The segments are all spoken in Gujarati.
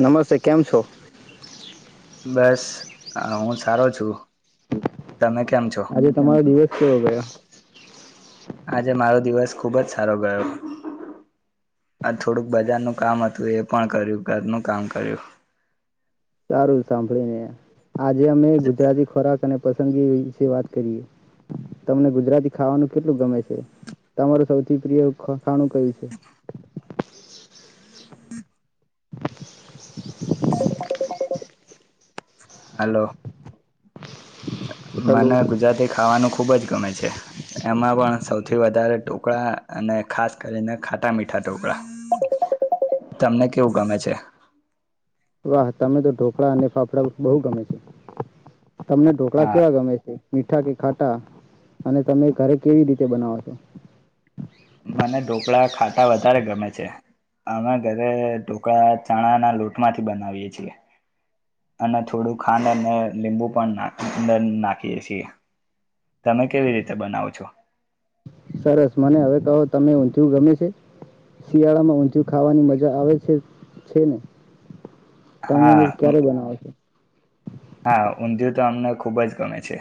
નમસ્તે કેમ છો? બસ હું સારો છું તમે? કેમ છો આજે તમારો દિવસ કેવો ગયો? આજે મારો દિવસ ખુબ જ સારો ગયો આ થોડુંક બજારનું કામ હતું એ પણ કર્યું ઘરનું કામ કર્યું. સારું સાંભળીને આજે અમે ગુજરાતી ખોરાક અને પસંદગી વિશે વાત કરીએ તમને ગુજરાતી ખાવાનું કેટલું ગમે છે તમારું સૌથી પ્રિય ખાણું કયું છે. હલો. મને હલો ગુજરાતી ખાવાનું ખુબ જ ગમે છે એમાં પણ સૌથી વધારે ટુકડા અને ખાસ કરીને ખાટા મીઠા ટુકડા. તમને કેવું ગમે છે? તમે તો ઢોકળા અને ફાફડા બહુ ગમે છે. તમને ઢોકળા હા કેવા ગમે છે? મીઠા કે ખાટા અને તમે ઘરે કેવી રીતે બનાવો છો? મને ઢોકળા ખાટા વધારે ગમે છે અમે ઘરે ઢોકળા ચણાના લોટમાંથી બનાવીએ છીએ અને થોડું ખાંડ અને લીંબુ પણ નાખીએ છીએ તમે કેવી રીતે બનાવો છો? સરસ મને હવે કહો તમે ઊંધિયું ગમે છે શિયાળામાં ઊંધિયું ખાવાની મજા આવે છે છે ને. તમે હા ક્યારે બનાવો છો? હા ઊંધિય તો અમને ખૂબ જ ગમે છે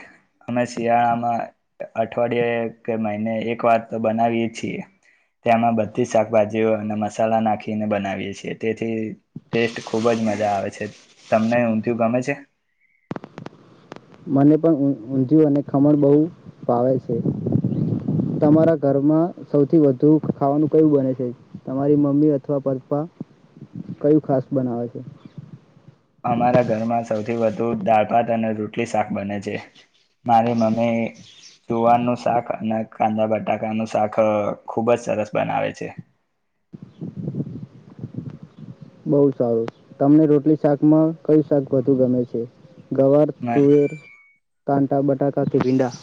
અમે શિયાળામાં અઠવાડિયે કે મહિને એક વાર તો બનાવીએ છીએ તેમાં બધી જ શાકભાજીઓ અને મસાલા નાખીને બનાવીએ છીએ તેથી ટેસ્ટ ખૂબ જ મજા આવે છે તમને ઊંધિય ગમે છે. મને પણ ઊંધિયું અને ખમણ બહુ ફાવે છે તમારા ઘરમાં સૌથી વધુ ખાવાનું કયું બને છે તમારી મમ્મી અથવા પપ્પા કયું ખાસ બનાવે છે. અમારા ઘરમાં સૌથી વધુ દાળ ભાત અને રોટલી શાક બને છે મારી મમ્મી જુવારનું શાક અને કાંદા બટાકાનું શાક ખૂબ જ સરસ બનાવે છે. બહુ સારું તમને રોટલી શાકમાં કયું શાક વધુ ગમે છે? ગવાર તુવેર કાંદા બટાકા કે ભિંડા.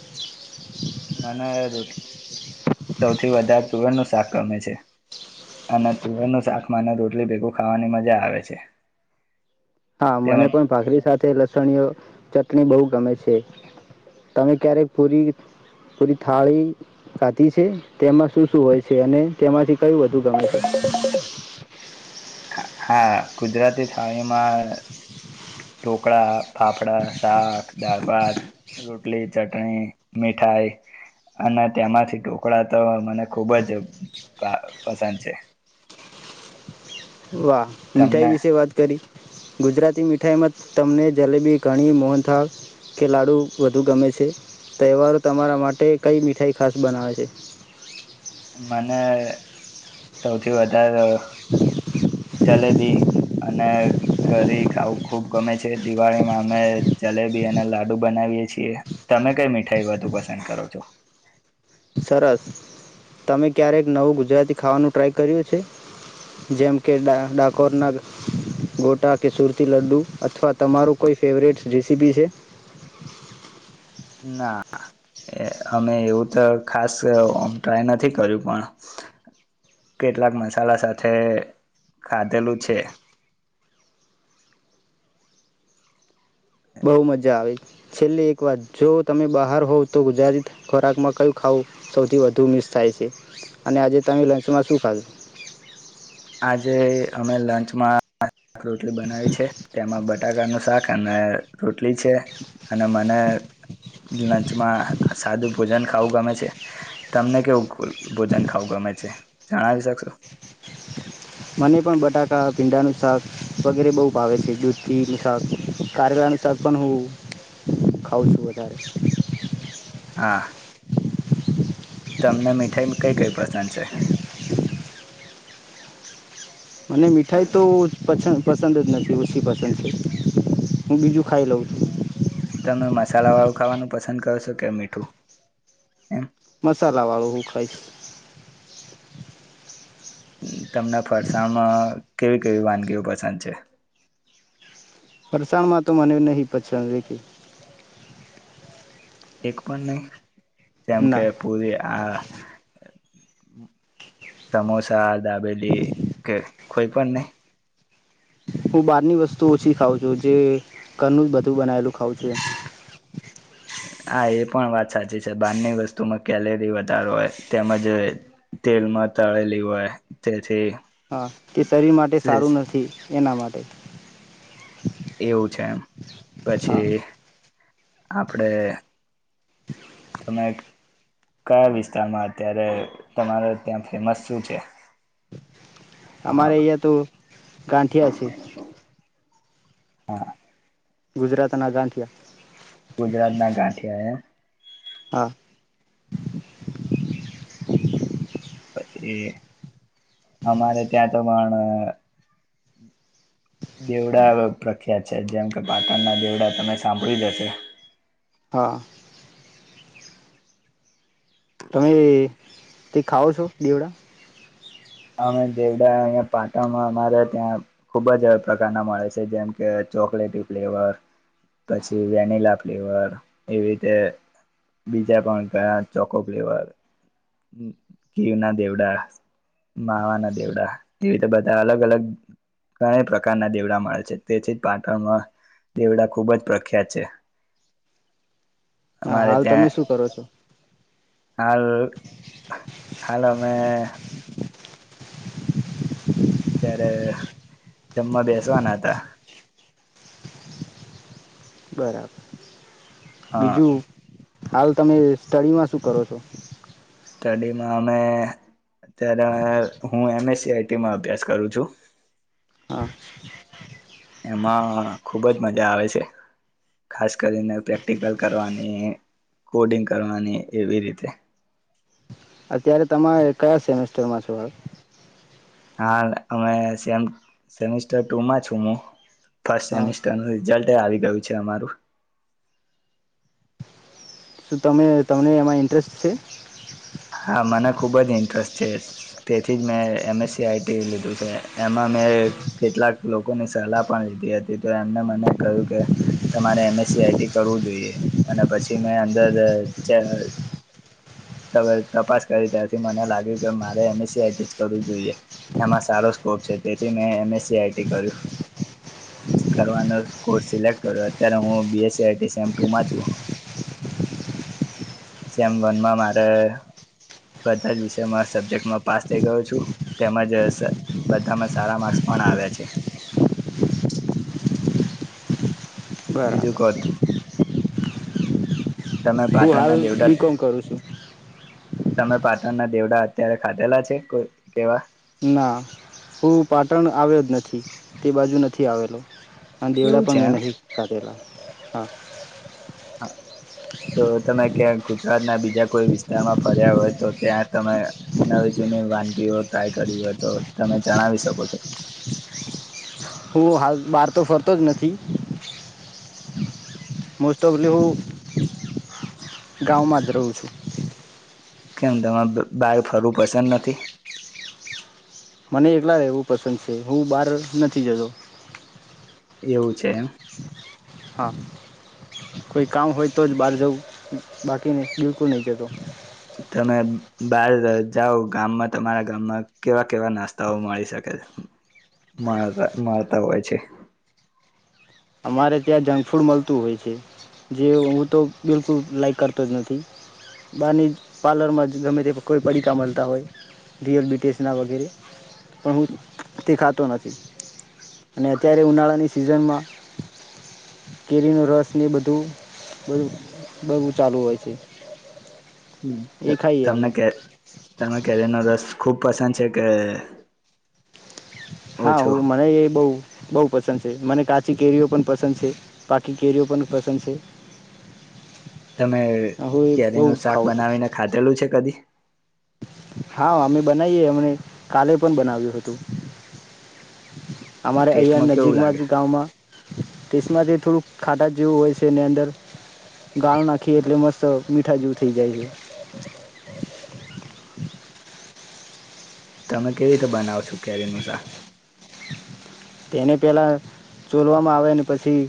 મને સૌથી વધારે તુરણનું શાક ગમે છે અને તુરરણનું શાક મને રોટલી ભેગું ખાવાની મજા આવે છે. હા મને તેમજ પણ ભાખરી સાથે લસણીઓ ચટણી બહુ ગમે છે તમે ક્યારેક પૂરી પૂરી થાળી ખાધી છે તેમાં શું શું હોય છે અને તેમાંથી કયું બધુ ગમે છે. હા ગુજરાતી થાળીમાં ઢોકળા પાાપડા સાક. દળપાત રોટલી ચટણી મીઠાઈ અને તેમાંથી ટઢોકળા તો મને ખૂબ જ પસંદ છે. વાહ મીઠાઈ તમને વિશે વાત કરી. ગુજરાતી મીઠાઈમાં તમને જલેબી ઘણી મોહનથાળ કે લાડુ વધુ ગમે છે તહેવારો તમારા માટે કઈ મીઠાઈ ખાસ બનાવે છે. મને સૌથી વધારે જલેબી અને ઘરી ખાવું ખૂબ ગમે છે દિવાળીમાં અમે જલેબી અને લાડુ બનાવીએ છીએ તમે કઈ મીઠાઈ વધુ પસંદ કરો છો. સરસ તમે ક્યારેક નવું ગુજરાતી ખાવાનું ટ્રાય કર્યું છે જેમ કે ડાકોરના ગોટા કે સુરતી લડ્ડુ અથવા તમારું કોઈ ફેવરેટ રેસીપી છે. ના અમે એવું તો ખાસ ટ્રાય નથી કર્યું પણ કેટલાક મસાલા સાથે ખાધેલું છે. બહુ મજા આવે છેલ્લી એક વાર જો તમે બહાર હોવ તો ગુજરાતી ખોરાકમાં કયું ખાવું સૌથી વધુ મિસ થાય છે અને આજે તમે લંચમાં શું ખાવો. આજે અમે લંચમાં. આક રોટલી બનાવી છે તેમાં બટાકાનું શાક અને. હ. રોટલી છે અને મને લંચમાં સાદું. ભોજન ખાવું ગમે છે તમને કેવુંલ. ભોજન ખાાવગ મે છે. તણાવ શકશો. મને પણ બટાકા ભીંડાનું શાક વગેરે બહુ ભાવે છે દૂધથીનું શાક કળાનું શાક પણ હું ખાઉં છું વધારે. હા. તમને મીઠાઈ કઈ કઈ પસંદ છે. મને મીઠાઈ તો પ પસંદ જ નથી ઓછી પસંદ છે હું બીજું ખાઈ લઉં છું. તમે મસાલા વાળું ખાવાનું પસંદ કરો છો કે મીઠું એમ. મસાલા વાળું હું ખાઈશ તમને ફરસાણમાં કેવી. કેવી વાનગીઓ પસંદ છે. વરસાણમાં તો મને નહીં પસંદ લે કે. એક પણ નહી. જેમ કે ના પૂરી આ. સમોસા. ગદાબેલી કે. કોઈ પણને હું બહારની વસ્તુ ઓછી ખાઉ છું જે ઘરનું જ બધું બનાવેલું ખાવઉ છું. હા એ પણ વાત સાચી છે બારની વસ્તુમાં કેલેરી વધારો હોય તેમજ તેલમાં તળેલી હોય તેથી. હા તે શરીર માટે સારું નથી. એના માટે. એવું છે એમ હા પછી. આપપડે. ત. કયા વિસ્તારમાં અત્યારે તમારે ત્યાં ફેમસ શું છે. હા આમારે એયા તો ગંઠી છે. હા. ગુજરાતના ગાંધિયા. ગુજરાત ના ગાંઠિયા એ. હા. પ અમારે ત્યાં તો પણ. દેવડા પ્રખ્યાત છે જેમ કે પાટણના દેવડા તમે સાંભળી જશે. હા. તમે તે ખઓ છો દેવડા. અમે દેવડા અહીં પાટણમાં અમારે ત્યાં ખુબ જ પ્રકારના મળે છે જેમ કે ચોકલેટી ફ્લેવર પછી વેનિલા ફ્લેવર એવી રીતે બીજા પણ કયા ચોકો ફ્લેવર ઘીવ ના દેવડા. માવાના દેવડા. એવીતે બધા અલગ અલગ ઘણે પ્રકારના દેવડા મળે છે તેથી પાટણમાં દેવડા ખૂબ જ પ્રખ્યાત છે. હા અમારે હાલ તમે ત્યાં શું કરો છો હાલ હાલ અમે ત જમવા બેસવાના હતા. બરાબર. હા બીજું. હાલ તમે સ્ટડીમાં શું કરો છો. સ્ટડીમાં અમે અત્યારે હું એમએસ સઆઈ માં અભ્યાસ કરું છું. હા એમાં ખુબ જ મજા આવે છે ખાસ કરીને પ્રેક્ટિકલ કરવાની કોડિંગ કરવાની એવી રીતે. અત્યારે તમામે કયા સેમેસ્ટરમાં છો હાલ. હા અમે સેમિસ્ટર ટુમાં છું હું. ફસ્ટ હા સેમેસ્ટર રિઝલ્ટ. આવી ગયું છે અમારું. શું તમે તમને એમાં ઇન્ટરેસ્ટ છે. હા મને ખૂબ જ ઇન્ટરેસ્ટ છે તેથી જ મેં એમએસસી આઈટી લીધું છે એમાં મેં કેટલાક લોકોની સલાહ પણ લીધી હતી તો એમને મને કહ્યું કે તમારે એમએસસી આઈટી કરવું જોઈએ અને પછી મેં અંદર તપાસ કરી ત્યાંથી મને લાગ્યું કે મારે એમએસસીઆટી જ કરવું જોઈએ એમાં સારો સ્કોપ છે તેથી મે એમસસીટી કર્યું કરવાનો સિલેક કર્યો અત્યારે હું બીસ ટમાં છ. સેમ વનમાં મારે બધા જ વિષમાં સબ્જેક્ટમાં પાસ થઈ ગયો છું તેમજ બધામાં સારા માર્ક્સ પણ આવ્યા છે. બીજું કહો બરાબર. [inaudible] હું હાલ પાટણના દેવડા બી કોમ કરું છું. તમે પાટણ ના દેવડા અત્યારે ખાધેલા છે કોઈ કેવા. ના હું પાટણ આવ્યો જ નથી તે બાજુ નથી આવેલો. અને એવું દેવડા છે પણ એમ મેનહી સાથેલા. હા. કે ગુજરાત ના બીજા કોઈ વિસ્તારમાં ફર્યા હોય તો ત્યાં તમે નવી જૂની વાનગીઓ ટ્રાય કરી હોય તો તમે જણાવી શકો છો. હું હાલ બહાર તો ફરતો જ નથી. મોસ્ટ અફ લ હું ગામામમાંધ રઉ છું. કેમ તમારે બાર ફરવું પસંદ નથી? મને એકલા રહેવું પસંદ છે હું બહાર નથી જતો. એવું છે એમ. હા, કોઈ કામ હોય તો જ બહાર જવું બાકીને બિલકુલ નહીં જતો. તમે બાર જાઓ ગામમાં તમારા ગામમાં કેવા કેવા નાસ્તાઓ મળી શકે મળતા હોય છે? અમારે ત્યાં જંકફૂડ મળતું હોય છે, જે હું તો બિલકુલ લાાઈક કરતો જ નથી, બહારની જ પાર્લરમાં ગમે તે કોઈ પડીતા મળતા હોય, રીયલ બીટીસના વગેરે, પણ હું તે ખાતો નથી, અને અત્યારે ઉનાળાની સિઝનમાં કેરીનો રસને બધું બધું ચાલુ હોય છે. એ ખાઈએ તમને અમે કે તમે કેરીનો રસ ખૂબ પસંદ છે કે હા હ ઓછો મને એ બહ બહ પસંદ છે મને કાચ ચી કેરીઓ પણ પસંદ છે, પાકી કેરીઓ પણ પસંદ છે. તમે હું એ બહુ કેરીનું શાક ખાઉં છું બનાવીને ખાધેલું છે કદી? હા અમે બનાવીએ એમણે કાલે પણ બનાવ્યું હતું. એ અમારે અહીં ટેસ્ટમાં કેવું નજીકમાં લાગે જ ગામંમાં ટેસમાંથી થોડુંક ખાટા જેવું હોય છેની અંદર, ગાળો નાખીએ એટલે મસ્ત મીઠા જેવું થઈ જાય છે. તમે કેવી રીતે બનાવ છો કેરીનું શાક? તેને પહેલાં ચોલવામાં આવેને પછી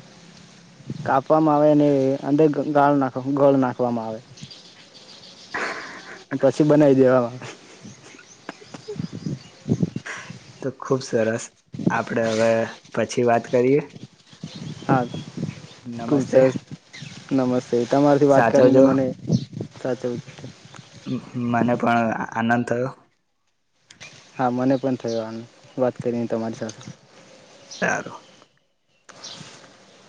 કાપવામાં આવે અને અંદર ગાળ નાખ ગળ નાખવામાં આવે. પછી બનાવી દેવાવામાં. તો ખુબ સરસ, આપણે હવે પછી વાત કરીએ. હા ખુબ નમસ્તે સરસ નમસ્તે તમારાથી વાત કરીને સાચવજો મને સાચવું છે. મને પણ આનંદ થયો. હા મને પણ થયો વાત કરીને તમારી સાથે. સારું. [inaudible]